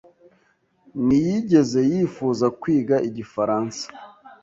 ntiyigeze yifuza kwiga igifaransa.